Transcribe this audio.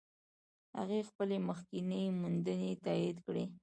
هغې خپلې مخکینۍ موندنې تایید کړې.